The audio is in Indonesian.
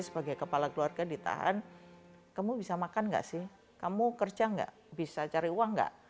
sebagai kepala keluarga ditahan kamu bisa makan nggak sih kamu kerja enggak bisa cari uang enggak